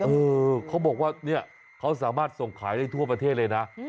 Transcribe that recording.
เออเขาบอกว่าเนี่ยเขาสามารถส่งขายได้ทั่วประเทศเลยนะ